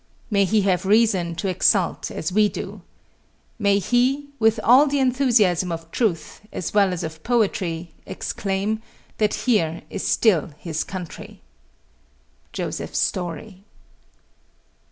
May he have reason to exult as we do. May he, with all the enthusiasm of truth as well as of poetry, exclaim, that here is still his country. JOSEPH STORY.